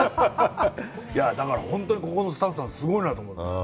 だから本当に、ここのスタッフさんすごいと思うんです。